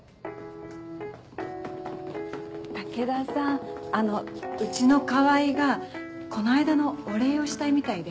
武田さんあのうちの川合がこの間のお礼をしたいみたいで。